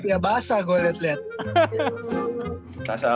masih jadi lumpia basah gue liat liat